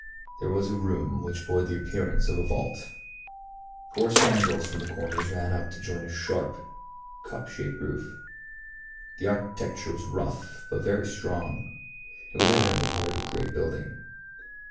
There was a room which bore the appearance of a vault. Four spandrels from the corners ran up to join a sharp cup shaped roof. The architecture was rough, but very strong. It was evidently part of a great building.